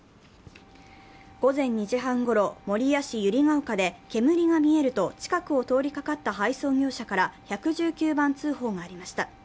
午前２時半ごろ、守谷市百合ヶ丘で、煙が見えると近くを通りかかった配送業者から１１９番通報がありました。